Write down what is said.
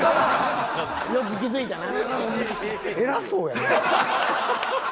よく気づいたな。